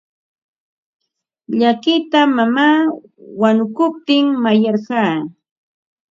Llakita mamaa wanukuptin mayarqaa.